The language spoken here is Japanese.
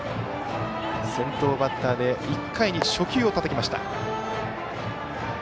先頭バッターで１回に初球をたたきました。